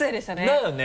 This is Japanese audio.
だよね。